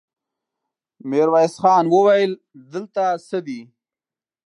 ميرويس خان وويل: دلته څه دي؟